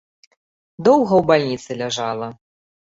Доўга ў бальніцы ляжала.